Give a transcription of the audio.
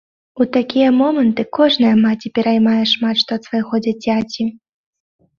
У такія моманты кожная маці пераймае шмат што ад свайго дзіцяці.